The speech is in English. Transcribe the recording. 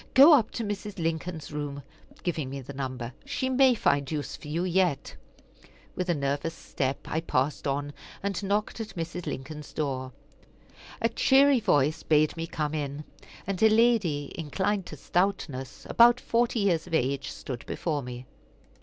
"Go up to Mrs. Lincoln's room" giving me the number "she may find use for you yet." With a nervous step I passed on, and knocked at Mrs. Lincoln's door. A cheery voice bade me come in, and a lady, inclined to stoutness, about forty years of age, stood before me.